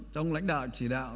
trong lãnh đạo chỉ đạo